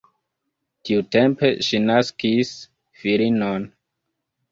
Tiutempe ŝi naskis filinon.